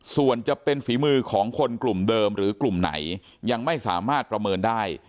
ส่วนจะเป็นฝีมือของคนกลุ่มเดิมหรือกลุ่มไหนยังไม่สามารถประเมินได้